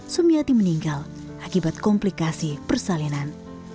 sumiati meninggal akibat komplikasi persalinan